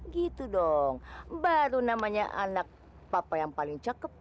gitu dong baru namanya anak papa yang paling cakep